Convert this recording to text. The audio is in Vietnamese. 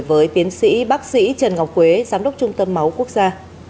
với tiến sĩ bác sĩ trần ngọc quế giám đốc trung tâm máu quốc gia